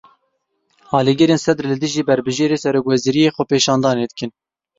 Alîgirên Sedr li dijî berbijêrê serokwezîriyê xwepêşandanê dikin.